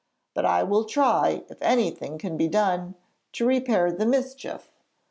But I will try if anything can be done to repair the mischief.